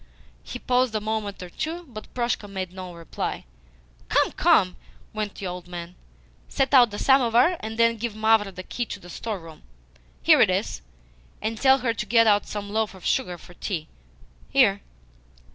He paused a moment or two, but Proshka made no reply. "Come, come!" went on the old man. "Set out the samovar, and then give Mavra the key of the store room here it is and tell her to get out some loaf sugar for tea. Here!